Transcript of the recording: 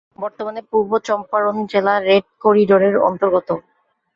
বর্তমানে পূর্ব চম্পারণ জেলা রেড করিডোরের অন্তর্গত।